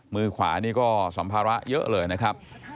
มือขวานี่ก็สัมภาระเยอะเลยนะครับ